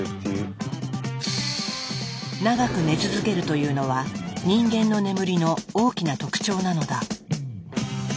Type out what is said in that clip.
というのは人間の眠りの大きな特徴なのだ。